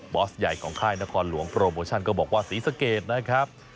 อสใหญ่ของค่ายนครหลวงโปรโมชั่นก็บอกว่าศรีสะเกดนะครับ